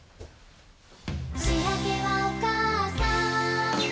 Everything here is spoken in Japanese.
「しあげはおかあさん」